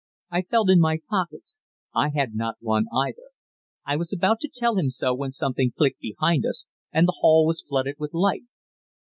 I felt in my pockets. I had not one either. I was about to tell him so when something clicked behind us, and the hall was flooded with light.